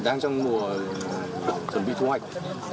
đang trong mùa chuẩn bị thu hoạch